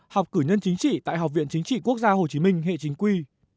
học cử nhân chính trị tại học viện chính trị quốc gia hồ chí minh hệ chính quy